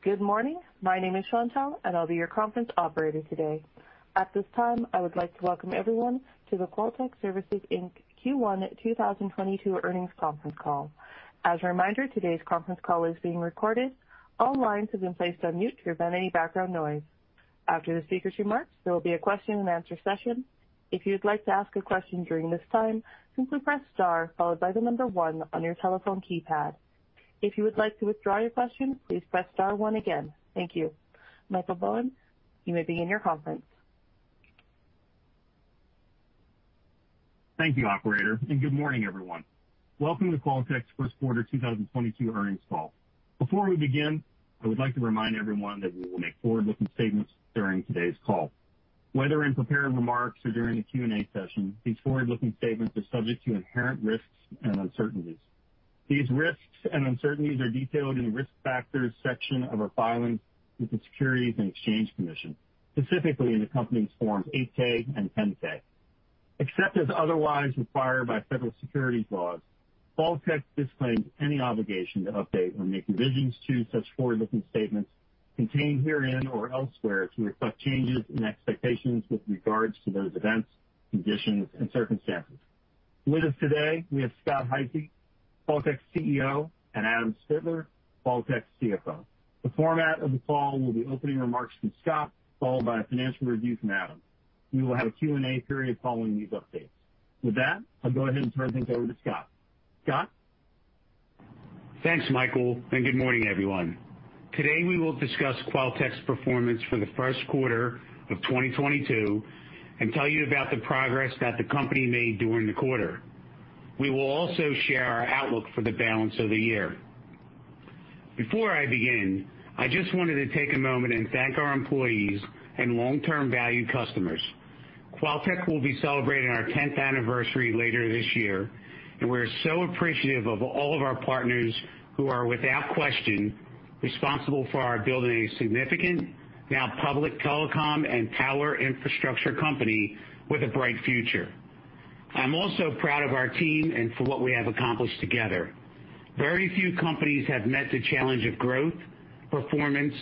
Good morning. My name is Chantelle, and I'll be your conference operator today. At this time, I would like to welcome everyone to the QualTek Services Inc. Q1 2022 earnings conference call. As a reminder, today's conference call is being recorded. All lines have been placed on mute to prevent any background noise. After the speaker's remarks, there will be a question-and-answer session. If you'd like to ask a question during this time, simply press star followed by the number one on your telephone keypad. If you would like to withdraw your question, please press star one again. Thank you. Michael Bowen, you may begin your conference. Thank you, operator, and good morning, everyone. Welcome to QualTek's first quarter 2022 earnings call. Before we begin, I would like to remind everyone that we will make forward-looking statements during today's call. Whether in prepared remarks or during the Q&A session, these forward-looking statements are subject to inherent risks and uncertainties. These risks and uncertainties are detailed in the Risk Factors section of our filings with the Securities and Exchange Commission, specifically in the company's forms 8-K and 10-K. Except as otherwise required by federal securities laws, QualTek disclaims any obligation to update or make revisions to such forward-looking statements contained herein or elsewhere to reflect changes in expectations with regards to those events, conditions and circumstances. With us today, we have Scott Hisey, QualTek's CEO, and Adam Spittler, QualTek's CFO. The format of the call will be opening remarks from Scott, followed by a financial review from Adam. We will have a Q&A period following these updates. With that, I'll go ahead and turn things over to Scott. Scott? Thanks, Michael, and good morning, everyone. Today, we will discuss QualTek's performance for the first quarter of 2022 and tell you about the progress that the company made during the quarter. We will also share our outlook for the balance of the year. Before I begin, I just wanted to take a moment and thank our employees and long-term value customers. QualTek will be celebrating our tenth anniversary later this year, and we're so appreciative of all of our partners who are, without question, responsible for our building a significant, now public telecom and power infrastructure company with a bright future. I'm also proud of our team and for what we have accomplished together. Very few companies have met the challenge of growth, performance,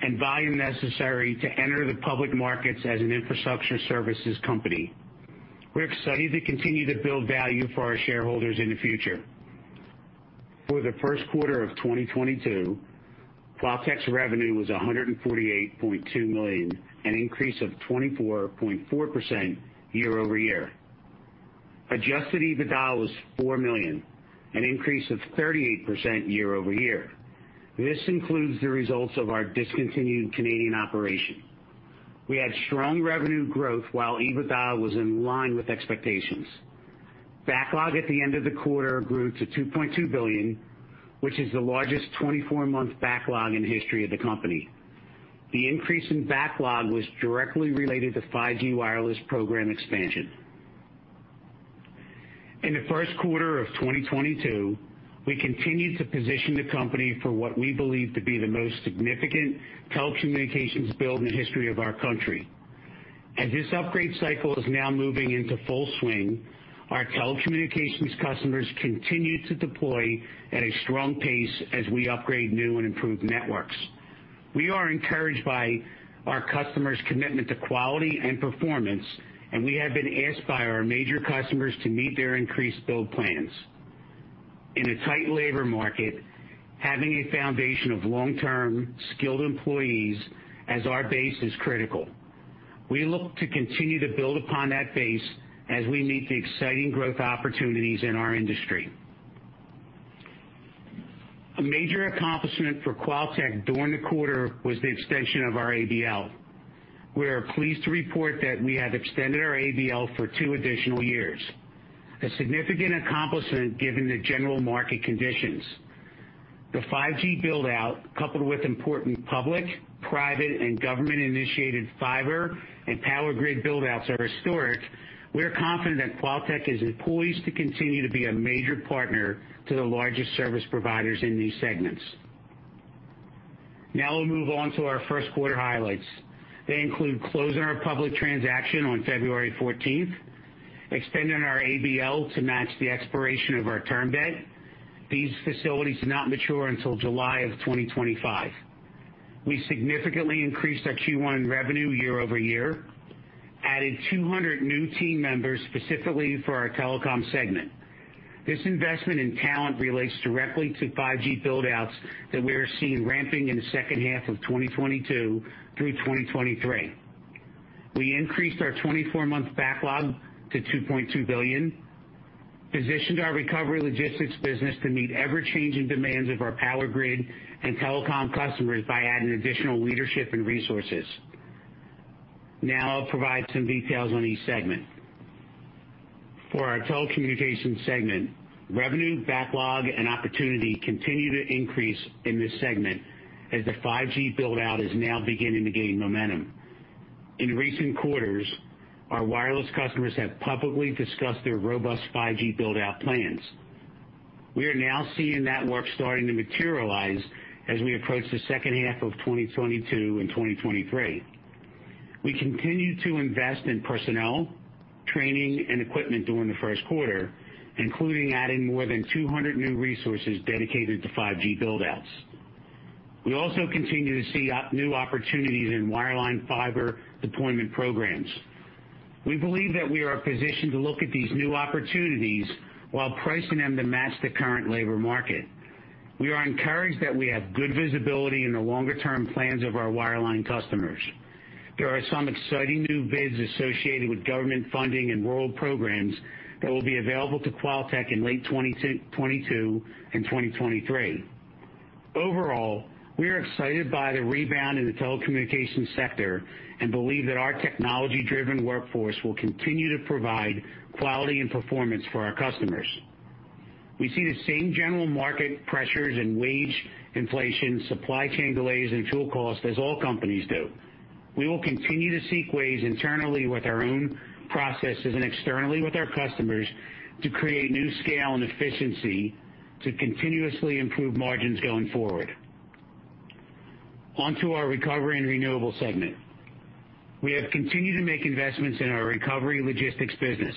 and volume necessary to enter the public markets as an infrastructure services company. We're excited to continue to build value for our shareholders in the future. For the first quarter of 2022, QualTek's revenue was $148.2 million, an increase of 24.4% year-over-year. Adjusted EBITDA was $4 million, an increase of 38% year-over-year. This includes the results of our discontinued Canadian operation. We had strong revenue growth while EBITDA was in line with expectations. Backlog at the end of the quarter grew to $2.2 billion, which is the largest 24-month backlog in history of the company. The increase in backlog was directly related to 5G wireless program expansion. In the first quarter of 2022, we continued to position the company for what we believe to be the most significant telecommunications build in the history of our country. As this upgrade cycle is now moving into full swing, our telecommunications customers continue to deploy at a strong pace as we upgrade new and improved networks. We are encouraged by our customers' commitment to quality and performance, and we have been asked by our major customers to meet their increased build plans. In a tight labor market, having a foundation of long-term, skilled employees as our base is critical. We look to continue to build upon that base as we meet the exciting growth opportunities in our industry. A major accomplishment for QualTek during the quarter was the extension of our ABL. We are pleased to report that we have extended our ABL for two additional years, a significant accomplishment given the general market conditions. The 5G build-out, coupled with important public, private, and government-initiated fiber and power grid build-outs are historic. We are confident that QualTek is poised to continue to be a major partner to the largest service providers in these segments. Now we'll move on to our first quarter highlights. They include closing our public transaction on February fourteenth, extending our ABL to match the expiration of our term debt. These facilities do not mature until July of 2025. We significantly increased our Q1 revenue year-over-year, added 200 new team members specifically for our telecom segment. This investment in talent relates directly to 5G build-outs that we are seeing ramping in the H2 of 2022 through 2023. We increased our 24-month backlog to $2.2 billion, positioned our recovery logistics business to meet ever-changing demands of our power grid and telecom customers by adding additional leadership and resources. Now I'll provide some details on each segment. For our telecommunications segment, revenue, backlog, and opportunity continue to increase in this segment as the 5G build-out is now beginning to gain momentum. In recent quarters, our wireless customers have publicly discussed their robust 5G build-out plans. We are now seeing that work starting to materialize as we approach the H2 of 2022 and 2023. We continue to invest in personnel, training, and equipment during the first quarter, including adding more than 200 new resources dedicated to 5G build-outs. We also continue to see open new opportunities in wireline fiber deployment programs. We believe that we are positioned to look at these new opportunities while pricing them to match the current labor market. We are encouraged that we have good visibility in the longer-term plans of our wireline customers. There are some exciting new bids associated with government funding and rural programs that will be available to QualTek in late 2022 and 2023. Overall, we are excited by the rebound in the telecommunications sector and believe that our technology-driven workforce will continue to provide quality and performance for our customers. We see the same general market pressures and wage inflation, supply chain delays, and fuel costs as all companies do. We will continue to seek ways internally with our own processes and externally with our customers to create new scale and efficiency to continuously improve margins going forward. On to our recovery and renewable segment. We have continued to make investments in our recovery logistics business.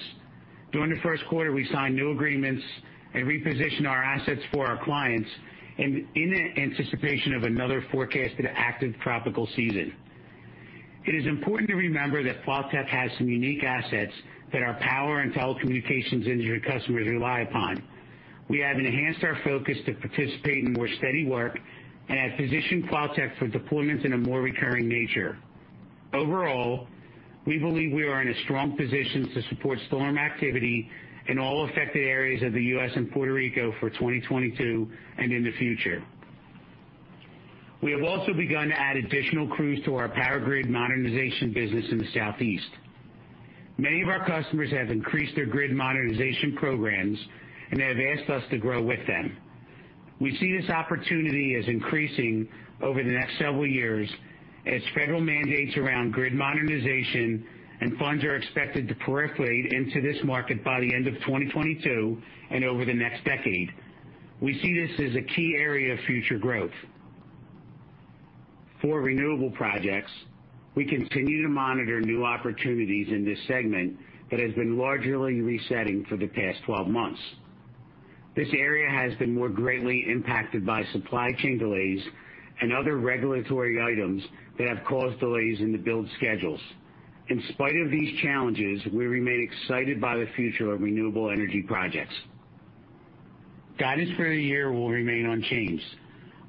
During the first quarter, we signed new agreements and repositioned our assets for our clients in anticipation of another forecasted active tropical season. It is important to remember that QualTek has some unique assets that our power and telecommunications engineering customers rely upon. We have enhanced our focus to participate in more steady work and have positioned QualTek for deployments in a more recurring nature. Overall, we believe we are in a strong position to support storm activity in all affected areas of the U.S. and Puerto Rico for 2022 and in the future. We have also begun to add additional crews to our power grid modernization business in the Southeast. Many of our customers have increased their grid modernization programs, and they have asked us to grow with them. We see this opportunity as increasing over the next several years as federal mandates around grid modernization and funds are expected to percolate into this market by the end of 2022 and over the next decade. We see this as a key area of future growth. For renewable projects, we continue to monitor new opportunities in this segment that has been largely resetting for the past 12 months. This area has been more greatly impacted by supply chain delays and other regulatory items that have caused delays in the build schedules. In spite of these challenges, we remain excited by the future of renewable energy projects. Guidance for the year will remain unchanged.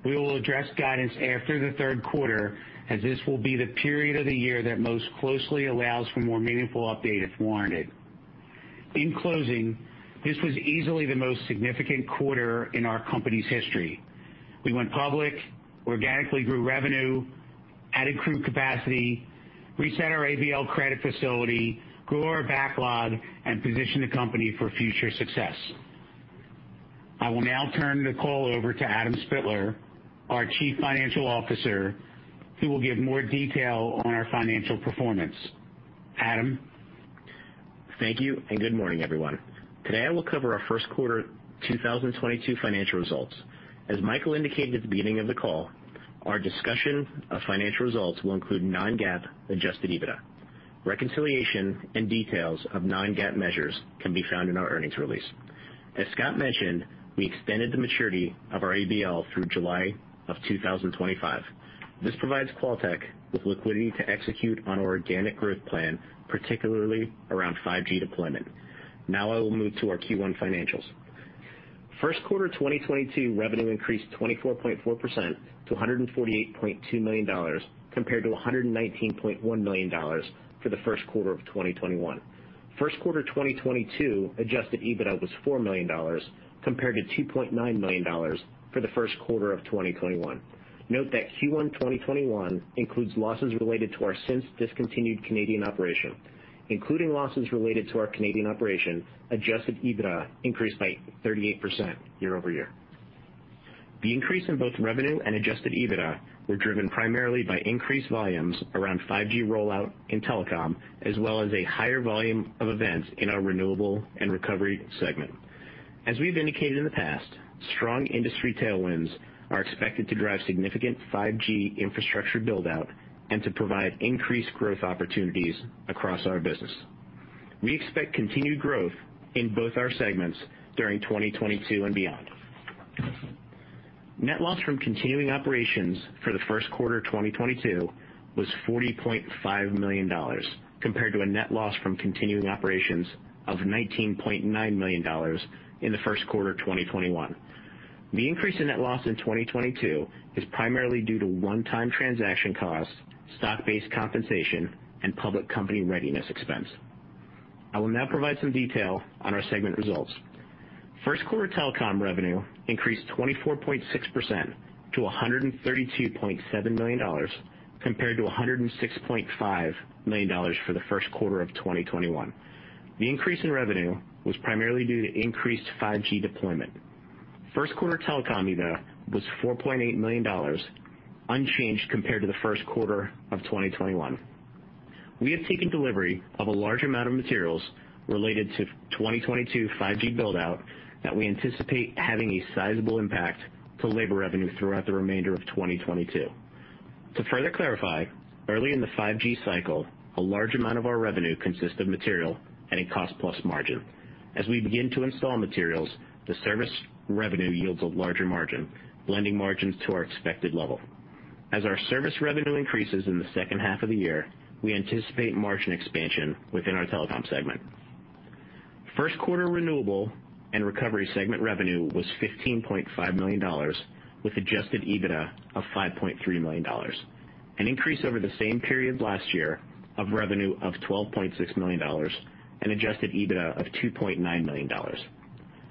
We will address guidance after the third quarter, as this will be the period of the year that most closely allows for more meaningful update if warranted. In closing, this was easily the most significant quarter in our company's history. We went public, organically grew revenue, added crew capacity, reset our ABL credit facility, grew our backlog, and positioned the company for future success. I will now turn the call over to Adam Spittler, our Chief Financial Officer, who will give more detail on our financial performance. Adam? Thank you, and good morning, everyone. Today, I will cover our first quarter 2022 financial results. As Michael indicated at the beginning of the call, our discussion of financial results will include non-GAAP Adjusted EBITDA. Reconciliation and details of non-GAAP measures can be found in our earnings release. As Scott mentioned, we extended the maturity of our ABL through July of 2025. This provides QualTek with liquidity to execute on our organic growth plan, particularly around 5G deployment. Now I will move to our Q1 financials. First quarter 2022 revenue increased 24.4% to $148.2 million compared to $119.1 million for the first quarter of 2021. First quarter 2022 Adjusted EBITDA was $4 million compared to $2.9 million for the first quarter of 2021. Note that Q1 2021 includes losses related to our since-discontinued Canadian operation. Including losses related to our Canadian operation, Adjusted EBITDA increased by 38% year-over-year. The increase in both revenue and Adjusted EBITDA were driven primarily by increased volumes around 5G rollout in telecom, as well as a higher volume of events in our renewable and recovery segment. As we've indicated in the past, strong industry tailwinds are expected to drive significant 5G infrastructure build-out and to provide increased growth opportunities across our business. We expect continued growth in both our segments during 2022 and beyond. Net loss from continuing operations for the first quarter 2022 was $40.5 million compared to a net loss from continuing operations of $19.9 million in the first quarter of 2021. The increase in net loss in 2022 is primarily due to one-time transaction costs, stock-based compensation, and public company readiness expense. I will now provide some detail on our segment results. First quarter telecom revenue increased 24.6% to $132.7 million compared to $106.5 million for the first quarter of 2021. The increase in revenue was primarily due to increased 5G deployment. First quarter telecom EBITDA was $4.8 million, unchanged compared to the first quarter of 2021. We have taken delivery of a large amount of materials related to FY 2022 5G build-out that we anticipate having a sizable impact to labor revenue throughout the remainder of 2022. To further clarify, early in the 5G cycle, a large amount of our revenue consists of material at a cost plus margin. As we begin to install materials, the service revenue yields a larger margin, blending margins to our expected level. As our service revenue increases in the H2 of the year, we anticipate margin expansion within our telecom segment. First quarter renewable and recovery segment revenue was $15.5 million, with Adjusted EBITDA of $5.3 million, an increase over the same period last year of revenue of $12.6 million and Adjusted EBITDA of $2.9 million.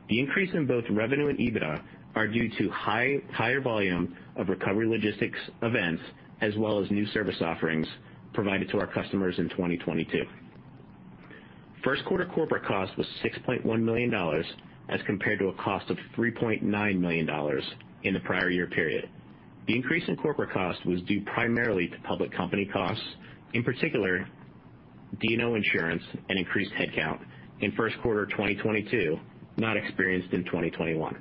The increase in both revenue and EBITDA are due to higher volume of recovery logistics events as well as new service offerings provided to our customers in 2022. First quarter corporate cost was $6.1 million as compared to a cost of $3.9 million in the prior year period. The increase in corporate cost was due primarily to public company costs, in particular, D&O insurance and increased headcount in first quarter 2022, not experienced in 2021.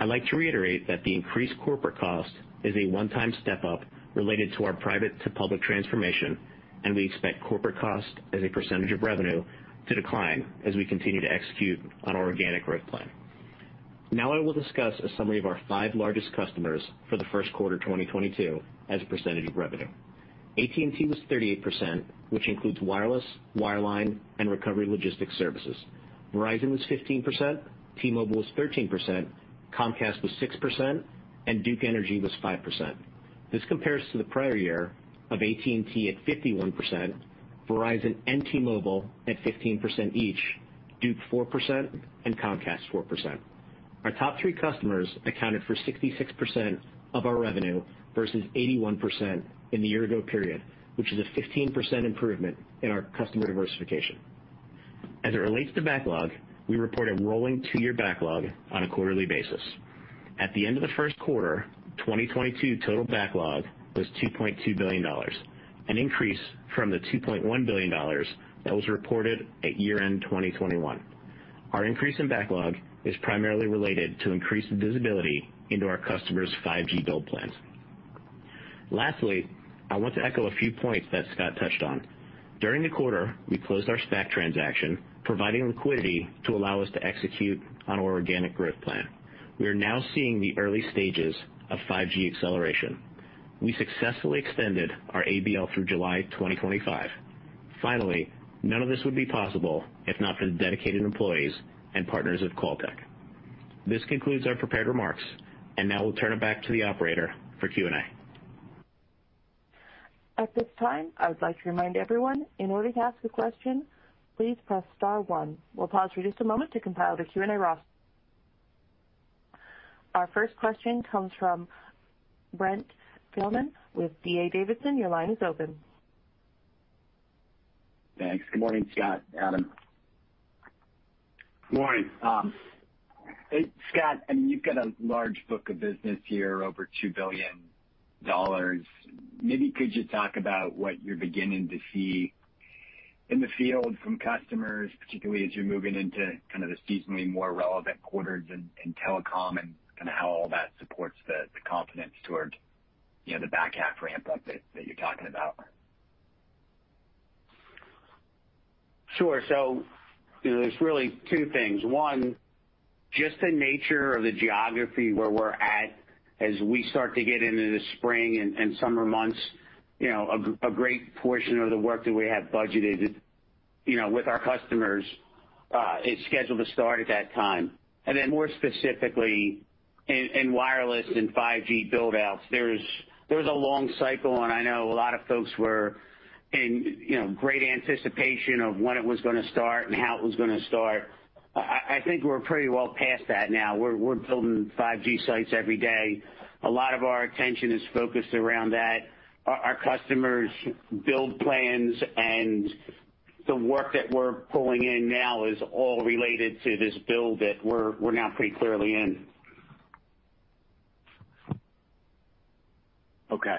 I'd like to reiterate that the increased corporate cost is a one-time step-up related to our private-to-public transformation, and we expect corporate cost as a percentage of revenue to decline as we continue to execute on our organic growth plan. Now I will discuss a summary of our five largest customers for the first quarter 2022 as a percentage of revenue. AT&T was 38%, which includes wireless, wireline, and recovery logistics services. Verizon was 15%, T-Mobile was 13%, Comcast was 6%, and Duke Energy was 5%. This compares to the prior year of AT&T at 51%, Verizon and T-Mobile at 15% each, Duke Energy 4%, and Comcast 4%. Our top three customers accounted for 66% of our revenue versus 81% in the year ago period, which is a 15% improvement in our customer diversification. As it relates to backlog, we report a rolling two-year backlog on a quarterly basis. At the end of the first quarter, 2022 total backlog was $2.2 billion, an increase from the $2.1 billion that was reported at year-end 2021. Our increase in backlog is primarily related to increased visibility into our customers' 5G build plans. Lastly, I want to echo a few points that Scott touched on. During the quarter, we closed our SPAC transaction, providing liquidity to allow us to execute on our organic growth plan. We are now seeing the early stages of 5G acceleration. We successfully extended our ABL through July 2025. Finally, none of this would be possible if not for the dedicated employees and partners of QualTek. This concludes our prepared remarks, and now we'll turn it back to the operator for Q&A. At this time, I would like to remind everyone, in order to ask a question, please press star one. We'll pause for just a moment to compile the Q&A roster. Our first question comes from Brent Thielman with D.A. Davidson. Your line is open. Thanks. Good morning, Scott, Adam. Morning. Hey, Scott, I mean, you've got a large book of business here, over $2 billion. Maybe could you talk about what you're beginning to see in the field from customers, particularly as you're moving into kind of the seasonally more relevant quarters in telecom and kinda how all that supports the confidence towards, you know, the back half ramp up that you're talking about? Sure. You know, there's really two things. One, just the nature of the geography where we're at as we start to get into the spring and summer months. You know, great portion of the work that we have budgeted, you know, with our customers, is scheduled to start at that time. More specifically in wireless and 5G build outs, there's a long cycle, and I know a lot of folks were in, you know, great anticipation of when it was gonna start and how it was gonna start. I think we're pretty well past that now. We're building 5G sites every day. A lot of our attention is focused around that. Our customers' build plans and the work that we're pulling in now is all related to this build that we're now pretty clearly in. Okay.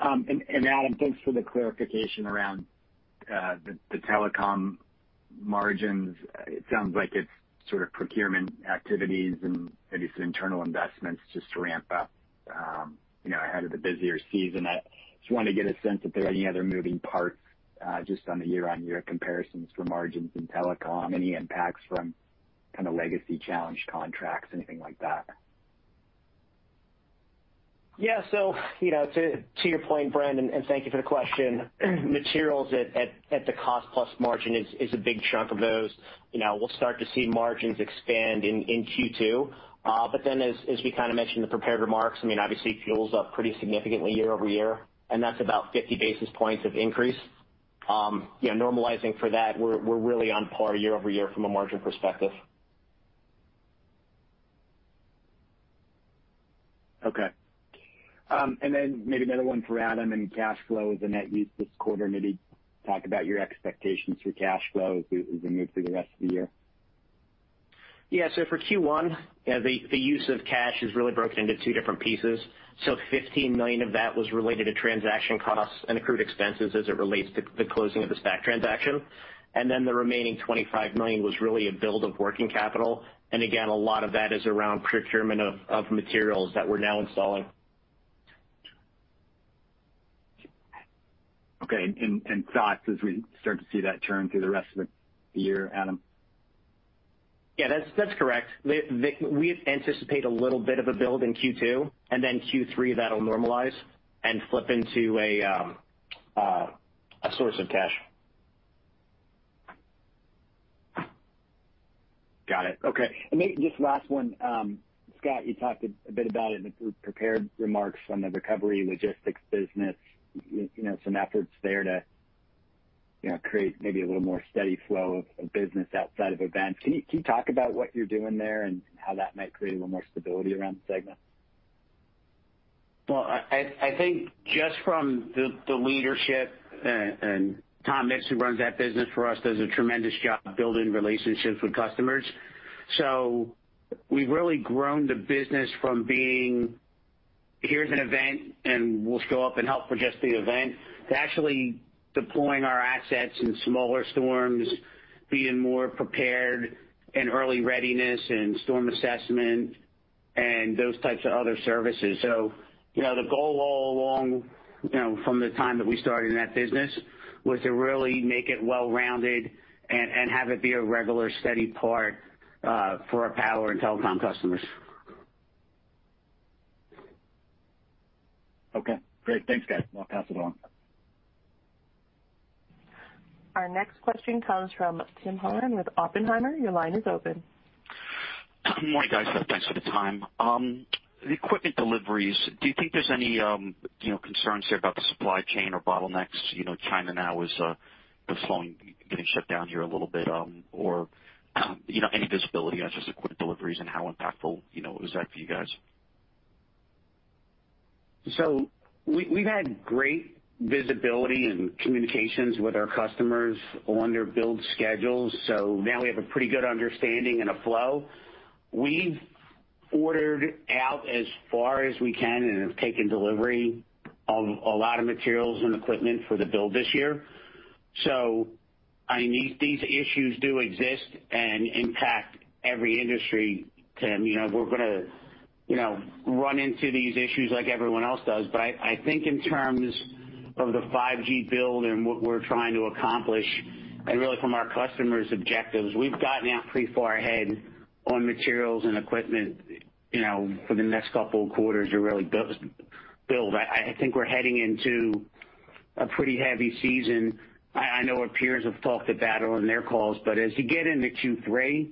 And Adam, thanks for the clarification around the telecom margins. It sounds like it's sort of procurement activities and maybe some internal investments just to ramp up, you know, ahead of the busier season. I just wanted to get a sense if there are any other moving parts, just on the year-on-year comparisons for margins in telecom, any impacts from kinda legacy challenging contracts, anything like that. Yeah. You know, to your point, Brent, and thank you for the question. Materials at the cost plus margin is a big chunk of those. You know, we'll start to see margins expand in Q2. As we kinda mentioned in the prepared remarks, I mean, obviously fuel's up pretty significantly year-over-year, and that's about 50 basis points of increase. You know, normalizing for that, we're really on par year-over-year from a margin perspective. Okay. Maybe another one for Adam in cash flow, the net use this quarter, maybe talk about your expectations for cash flow as we move through the rest of the year. Yeah. For Q1, you know, the use of cash is really broken into two different pieces. $15 million of that was related to transaction costs and accrued expenses as it relates to the closing of the SPAC transaction. Then the remaining $25 million was really a build of working capital. Again, a lot of that is around procurement of materials that we're now installing. Okay. Thoughts as we start to see that turn through the rest of the year, Adam? Yeah, that's correct. We anticipate a little bit of a build in Q2, and then Q3 that'll normalize and flip into a source of cash. Got it. Okay. Maybe just last one. Scott, you talked a bit about it in the prepared remarks on the Recovery Logistics business. You know, some efforts there to, you know, create maybe a little more steady flow of business outside of events. Can you talk about what you're doing there and how that might create a little more stability around the segment? Well, I think just from the leadership and Tom Mix, who runs that business for us, does a tremendous job building relationships with customers. We've really grown the business from being, here's an event, and we'll show up and help for just the event, to actually deploying our assets in smaller storms, being more prepared in early readiness and storm assessment and those types of other services. You know, the goal all along, you know, from the time that we started in that business, was to really make it well-rounded and have it be a regular steady part for our power and telecom customers. Okay, great. Thanks, guys. I'll pass it on. Our next question comes from Tim Horan with Oppenheimer. Your line is open. Good morning, guys. Thanks for the time. The equipment deliveries, do you think there's any, you know, concerns here about the supply chain or bottlenecks? You know, China now is the flow getting shut down here a little bit, or, you know, any visibility on just the quick deliveries and how impactful, you know, is that for you guys? We've had great visibility and communications with our customers on their build schedules, so now we have a pretty good understanding and a flow. We've ordered out as far as we can and have taken delivery of a lot of materials and equipment for the build this year. I mean, these issues do exist and impact every industry, Tim. You know, we're gonna, you know, run into these issues like everyone else does. I think in terms of the 5G build and what we're trying to accomplish, and really from our customers' objectives, we've gotten out pretty far ahead on materials and equipment, you know, for the next couple of quarters to really build. I think we're heading into a pretty heavy season. I know our peers have talked about on their calls, but as you get into Q3,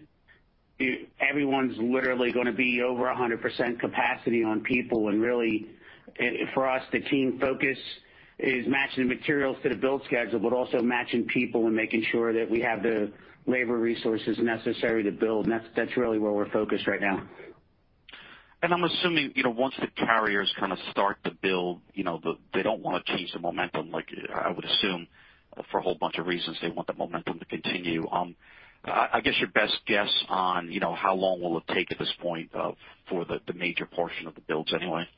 everyone's literally gonna be over 100% capacity on people. Really, and for us, the team focus is matching the materials to the build schedule, but also matching people and making sure that we have the labor resources necessary to build, and that's really where we're focused right now. I'm assuming, you know, once the carriers kinda start to build, you know, they don't wanna change the momentum, like I would assume for a whole bunch of reasons they want the momentum to continue. I guess your best guess on, you know, how long will it take at this point, for the major portion of the builds anyway?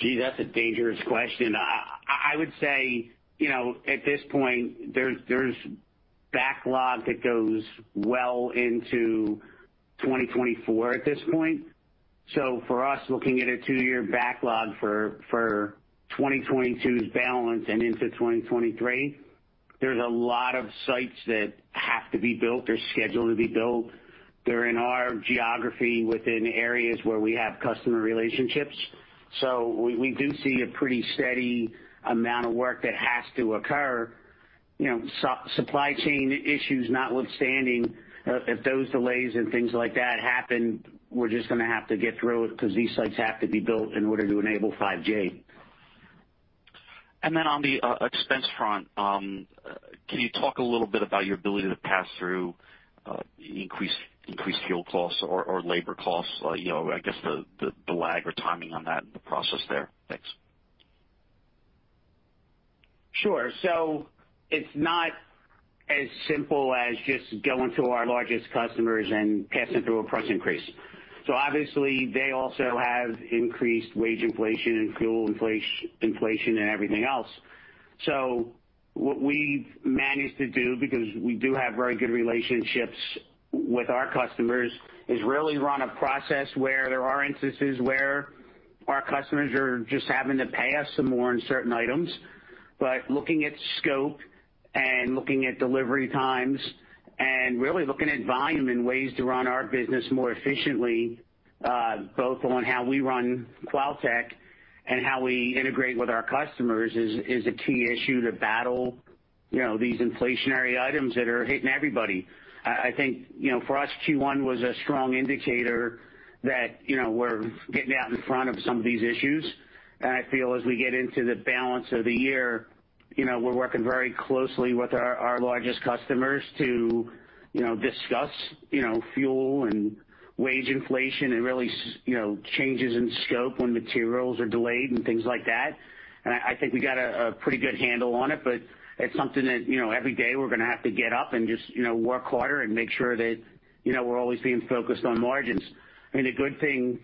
Gee, that's a dangerous question. I would say, you know, at this point there's backlog that goes well into 2024 at this point. For us, looking at a two-year backlog for 2022's balance and into 2023, there's a lot of sites that have to be built. They're scheduled to be built. They're in our geography within areas where we have customer relationships. We do see a pretty steady amount of work that has to occur. You know, supply chain issues notwithstanding, if those delays and things like that happen, we're just gonna have to get through it 'cause these sites have to be built in order to enable 5G. On the expense front, can you talk a little bit about your ability to pass through increased fuel costs or labor costs? You know, I guess the lag or timing on that and the process there. Thanks. Sure. It's not as simple as just going to our largest customers and passing through a price increase. Obviously they also have increased wage inflation and fuel inflation and everything else. What we've managed to do, because we do have very good relationships with our customers, is really run a process where there are instances where our customers are just having to pay us some more on certain items. Looking at scope and looking at delivery times and really looking at volume and ways to run our business more efficiently, both on how we run QualTek and how we integrate with our customers is a key issue to battle, you know, these inflationary items that are hitting everybody. I think, you know, for us, Q1 was a strong indicator that, you know, we're getting out in front of some of these issues. I feel as we get into the balance of the year, you know, we're working very closely with our largest customers to, you know, discuss, you know, fuel and wage inflation and really you know, changes in scope when materials are delayed and things like that. I think we got a pretty good handle on it, but it's something that, you know, every day we're gonna have to get up and just, you know, work harder and make sure that, you know, we're always being focused on margins. I mean, the good thing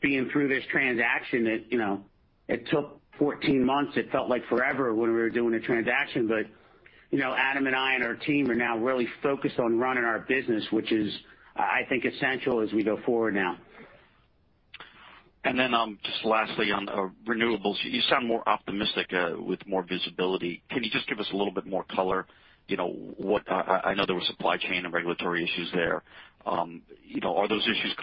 being through this transaction that, you know, it took 14 months, it felt like forever when we were doing a transaction, but you know, Adam and I and our team are now really focused on running our business, which is I think essential as we go forward now. Just lastly on renewables, you sound more optimistic with more visibility. Can you just give us a little bit more color, you know, I know there were supply chain and regulatory issues there. You know, are those issues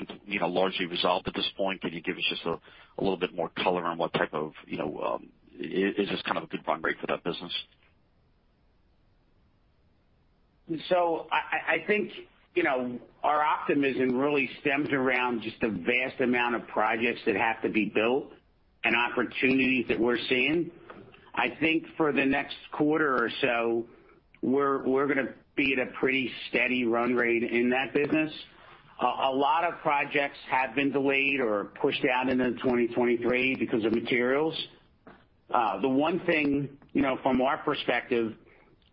largely resolved at this point? Can you give us just a little bit more color on what type of, you know, is this kind of a good run rate for that business? I think, you know, our optimism really stems around just the vast amount of projects that have to be built and opportunities that we're seeing. I think for the next quarter or so, we're gonna be at a pretty steady run rate in that business. A lot of projects have been delayed or pushed out into 2023 because of materials. The one thing, you know, from our perspective,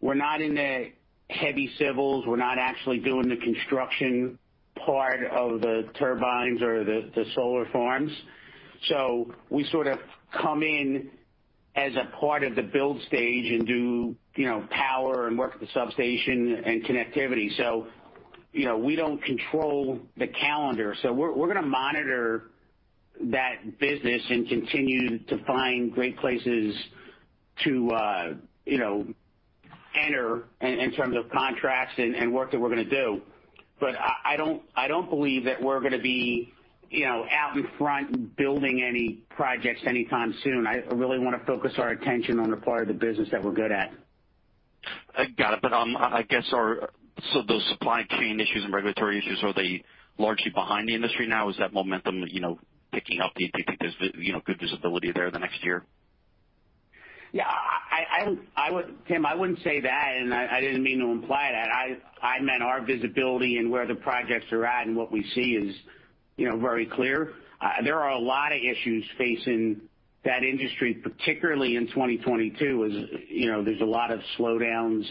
we're not into heavy civils. We're not actually doing the construction part of the turbines or the solar farms. We sort of come in as a part of the build stage and do, you know, power and work at the substation and connectivity. You know, we don't control the calendar. We're gonna monitor that business and continue to find great places to you know enter in in terms of contracts and work that we're gonna do. I don't believe that we're gonna be you know out in front building any projects anytime soon. I really wanna focus our attention on the part of the business that we're good at. I got it. I guess so. Those supply chain issues and regulatory issues, are they largely behind the industry now? Is that momentum, you know, picking up? Do you think there's, you know, good visibility there the next year? Yeah. I would, Tim, I wouldn't say that, and I didn't mean to imply that. I meant our visibility and where the projects are at and what we see is, you know, very clear. There are a lot of issues facing that industry, particularly in 2022 as, you know, there's a lot of slowdowns,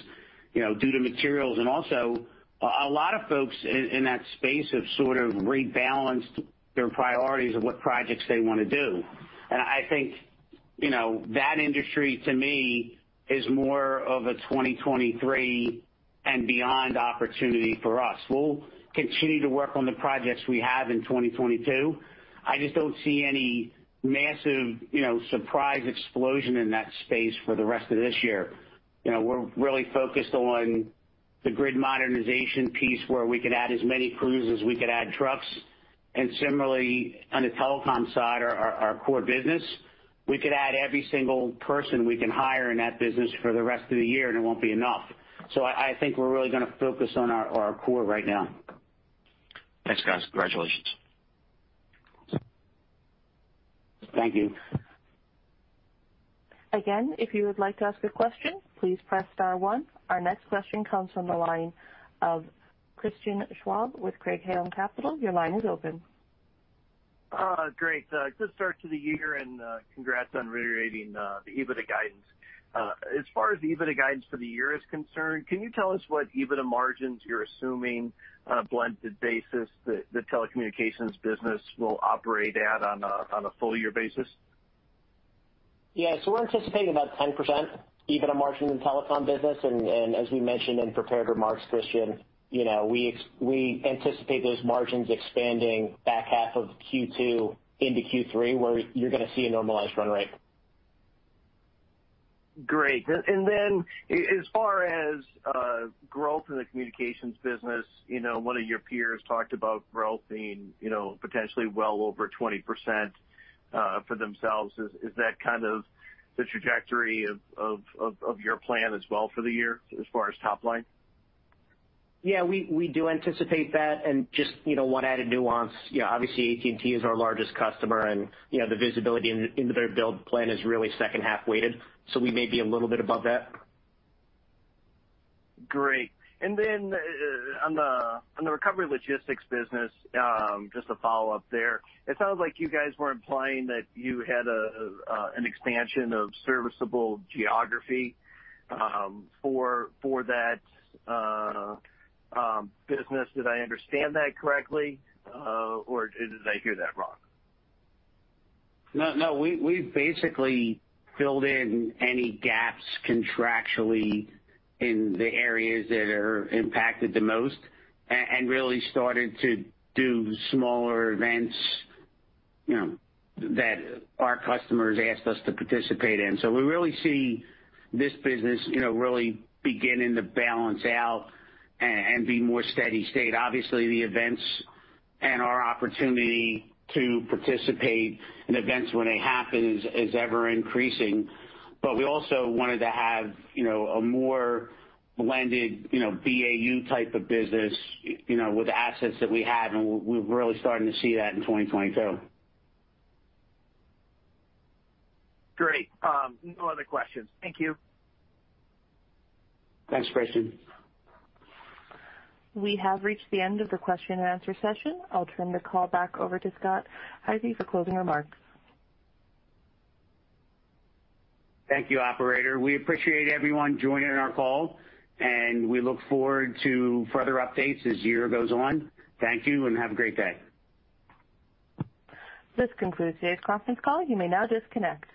you know, due to materials. Also a lot of folks in that space have sort of rebalanced their priorities of what projects they wanna do. I think, you know, that industry to me is more of a 2023 and beyond opportunity for us. We'll continue to work on the projects we have in 2022. I just don't see any massive, you know, surprise explosion in that space for the rest of this year. You know, we're really focused on the grid modernization piece where we could add as many crews as we could add trucks. Similarly, on the telecom side, our core business, we could add every single person we can hire in that business for the rest of the year, and it won't be enough. I think we're really gonna focus on our core right now. Thanks, guys. Congratulations. Thank you. Again, if you would like to ask a question, please press star one. Our next question comes from the line of Christian Schwab with Craig-Hallum Capital Group. Your line is open. Great. Good start to the year, and congrats on reiterating the EBITDA guidance. As far as the EBITDA guidance for the year is concerned, can you tell us what EBITDA margins you're assuming on a blended basis the telecommunications business will operate at on a full year basis? Yeah. We're anticipating about 10% EBITDA margin in telecom business. As we mentioned in prepared remarks, Christian, you know, we anticipate those margins expanding back half of Q2 into Q3, where you're gonna see a normalized run rate. Great. As far as growth in the communications business, you know, one of your peers talked about growth being, you know, potentially well over 20%, for themselves. Is that kind of the trajectory of your plan as well for the year as far as top line? Yeah. We do anticipate that. Just, you know, one added nuance, you know, obviously AT&T is our largest customer, and, you know, the visibility into their build plan is really H2 weighted. We may be a little bit above that. Great. On the recovery logistics business, just a follow-up there. It sounds like you guys were implying that you had an expansion of serviceable geography for that business. Did I understand that correctly, or did I hear that wrong? No, no. We've basically filled in any gaps contractually in the areas that are impacted the most and really started to do smaller events, you know, that our customers asked us to participate in. We really see this business, you know, really beginning to balance out and be more steady state. Obviously, the events and our opportunity to participate in events when they happen is ever-increasing, but we also wanted to have, you know, a more blended, you know, BAU type of business, you know, with assets that we have, and we're really starting to see that in 2022. Great. No other questions. Thank you. Thanks, Christian. We have reached the end of the question and answer session. I'll turn the call back over to Scott Hisey for closing remarks. Thank you, operator. We appreciate everyone joining our call, and we look forward to further updates as the year goes on. Thank you, and have a great day. This concludes today's conference call. You may now disconnect.